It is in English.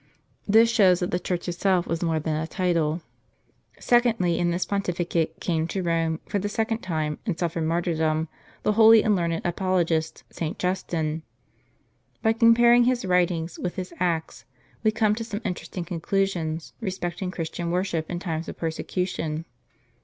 This shows that the church itself was more than a title. Secondly, in this pontificate came to Rome, for the second time, and suffered martyrdom, the holy and learned apologist St. Justin. By comparing his writings with his Acts,t we come to some interesting conclusions respecting Christian worship in times of persecution.